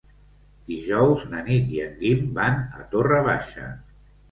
Dijous na Nit i en Guim van a Torre Baixa.